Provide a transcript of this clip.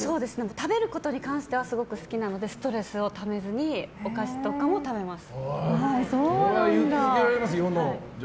食べることに関してはすごく好きなのでストレスをためずにお菓子とかも食べます。